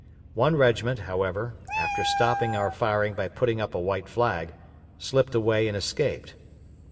One regiment, however, after stopping our firing by putting up a white flag, slipped away and escaped.